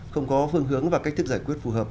không có phương hướng và cách thức giải quyết phù hợp